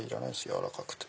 柔らかくて。